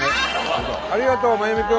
ありがとう真弓君。